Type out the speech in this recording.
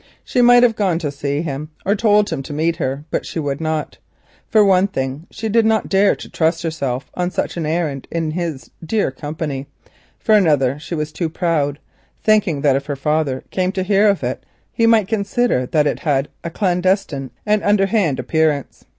She might have gone to see him or told him to meet her, but she would not. For one thing she did not dare to trust herself on such an errand in his dear company, for another she was too proud, thinking if her father came to hear of it he might consider that it had a clandestine and underhand appearance.